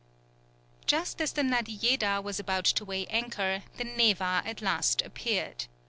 Just as the Nadiejeda was about to weigh anchor, the Neva at last appeared.